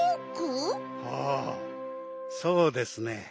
ほうそうですね。